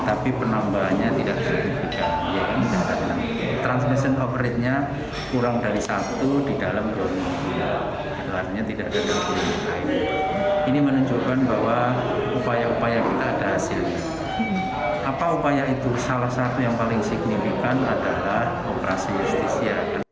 apa upaya itu salah satu yang paling signifikan adalah operasi justisi